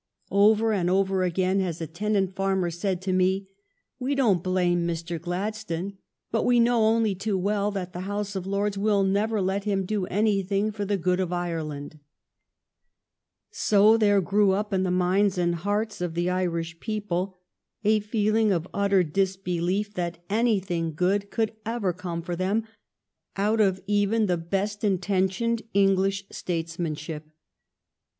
Over and over again has a tenant farmer said to me :" We don't blame Mr. Gladstone; but we know only too well that the House of Lords will never let him do any thing for the good of Ireland." So there grew up in the minds and hearts of the Irish people a feeling of utter disbelief that anything good could ever come for them out of even the best inten tioned English statesmanship.